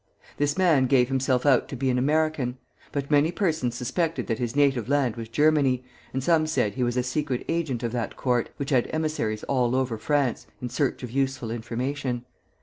This man gave himself out to be an American; but many persons suspected that his native land was Germany, and some said he was a secret agent of that court, which had emissaries all over France, in search of useful information.